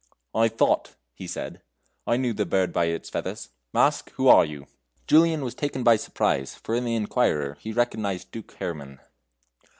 "I thought," he said, "I knew the bird by his feathers. Mask, who are you?" Julian was taken by surprise, for in the inquirer he recognized Duke Herrman.